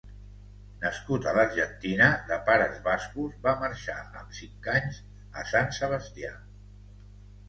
Nascut a l'Argentina, de pares bascos, va marxar amb cinc anys a Sant Sebastià.